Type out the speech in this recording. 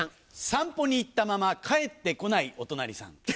散歩に行ったまま帰って来ないお隣さん。